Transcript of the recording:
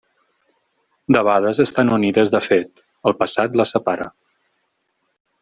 Debades estan unides de fet; el passat les separa.